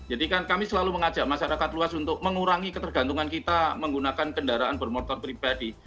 jadi kan kami selalu mengajak masyarakat luas untuk mengurangi ketergantungan kita menggunakan kendaraan bermotor pribadi